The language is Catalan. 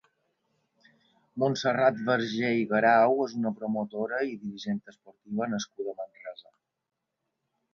Montserrat Vergé i Grau és una promotora i dirigent esportiva nascuda a Manresa.